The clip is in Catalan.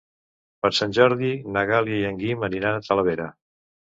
Per Sant Jordi na Gal·la i en Guim aniran a Talavera.